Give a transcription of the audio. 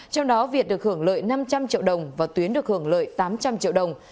trong đó việt được hưởng lợi năm trăm linh triệu đồng và tuyến được hưởng lợi tám trăm linh triệu đồng